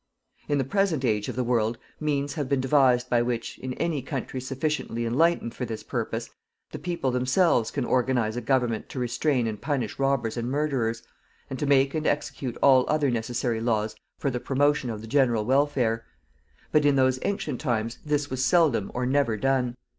In the present age of the world, means have been devised by which, in any country sufficiently enlightened for this purpose, the people themselves can organize a government to restrain and punish robbers and murderers, and to make and execute all other necessary laws for the promotion of the general welfare; but in those ancient times this was seldom or never done.